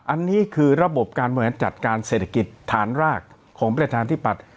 อันนี้คือระบบการหมุนเวียนจัดการเศรษฐกิจฐานรากของประธานทิปัตย์